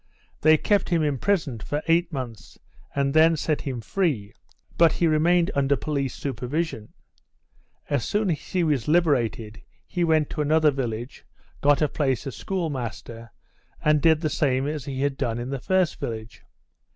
They kept him imprisoned for eight months and then set him free, but he remained under police supervision. As soon as he was liberated he went to another village, got a place as schoolmaster, and did the same as he had done in the first village.